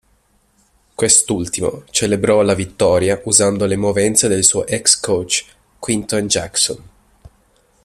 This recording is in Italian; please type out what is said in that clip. Quest'ultimo celebrò la vittoria usando le movenze del suo ex coach Quinton Jackson.